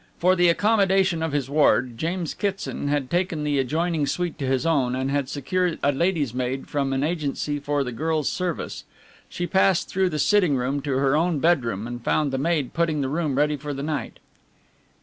For the accommodation of his ward, James Kitson had taken the adjoining suite to his own and had secured a lady's maid from an agency for the girl's service. She passed through the sitting room to her own bedroom, and found the maid putting the room ready for the night.